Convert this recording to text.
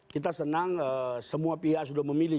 kita senang semua pihak sudah memilih